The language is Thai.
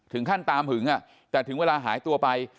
ถึงขั้นตามหึงแต่ถึงเวลาหายตัวไป